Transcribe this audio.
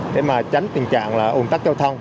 để tránh tình trạng ủn tắc giao thông